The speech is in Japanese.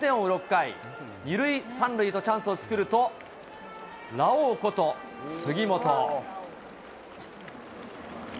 ６回、２塁３塁とチャンスを作ると、ラオウこと、杉本。